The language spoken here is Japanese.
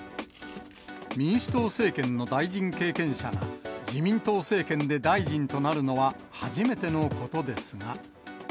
民主党政権の大臣経験者が自民党政権で大臣となるのは初めてのことですが。